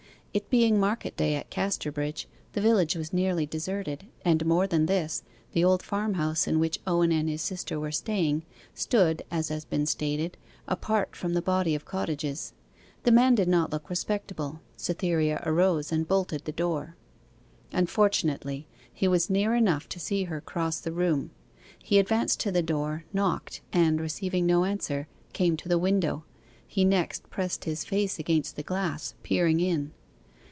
It being market day at Casterbridge, the village was nearly deserted, and more than this, the old farm house in which Owen and his sister were staying, stood, as has been stated, apart from the body of cottages. The man did not look respectable; Cytherea arose and bolted the door. Unfortunately he was near enough to see her cross the room. He advanced to the door, knocked, and, receiving no answer, came to the window; he next pressed his face against the glass, peering in.